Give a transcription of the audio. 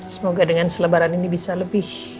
semoga dengan selebaran ini bisa lebih